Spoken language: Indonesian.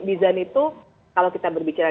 desain itu kalau kita berbicara